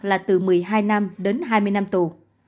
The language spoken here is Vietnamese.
là từ một mươi hai năm đến hai mươi năm tù